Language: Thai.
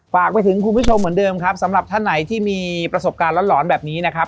ฝากไปถึงคุณผู้ชมเหมือนเดิมครับสำหรับท่านไหนที่มีประสบการณ์หลอนแบบนี้นะครับ